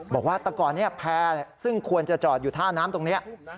บอกว่าแต่ก่อนนี้แพร่ซึ่งควรจะจอดอยู่ท่าน้ำตรงนี้